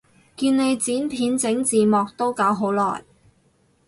見你剪片整字幕都搞好耐